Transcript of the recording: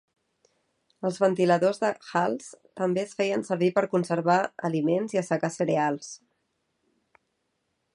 Els ventiladors de Hales també es feien servir per conservar aliments i assecar cereals.